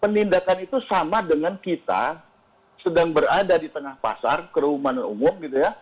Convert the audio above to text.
penindakan itu sama dengan kita sedang berada di tengah pasar kerumunan umum gitu ya